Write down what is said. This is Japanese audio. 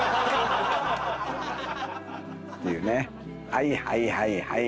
はいはいはいはい。